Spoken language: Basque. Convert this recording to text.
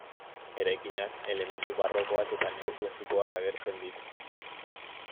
Eraikinak elementu barrokoak eta neoklasikoak agertzen ditu.